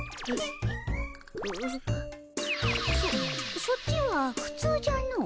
そそっちはふつうじゃのう。